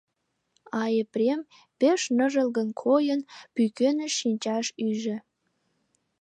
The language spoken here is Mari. А Епрем, пеш ныжылгын койын, пӱкеныш шинчаш ӱжӧ.